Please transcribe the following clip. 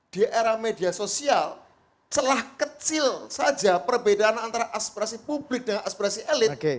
di era media sosial celah kecil saja perbedaan antara aspirasi publik dengan aspirasi elit